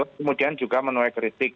kemudian juga menuai kritik